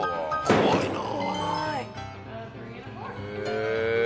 怖いな。